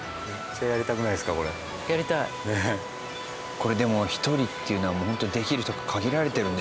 これでも１人っていうのはもうホントできる人が限られてるんでしょうね。